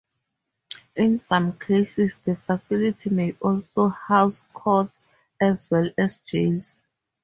In some cases, the facility may also house courts as well as jails.